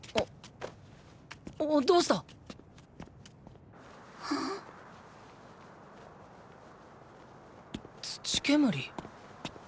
あどうした？土煙？